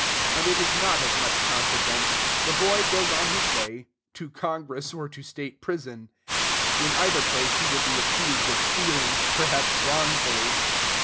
And it is not of much consequence. The boy goes on his way, to Congress, or to State Prison: in either place he will be accused of stealing, perhaps wrongfully.